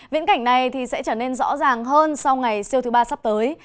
viễn cảnh này sẽ trở nên rõ ràng hơn sau ngày siêu thứ ba sắp tới